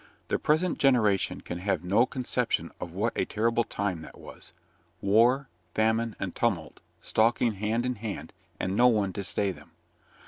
The present generation can have no conception of what a terrible time that was War, Famine, and Tumult stalking hand in hand, and no one to stay them.